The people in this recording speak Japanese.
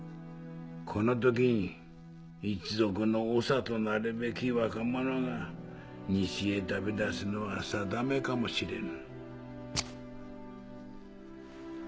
この時に一族の長となるべき若者が西へ旅立つのは定めかもしれぬ。